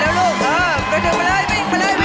เอาไปเร็ว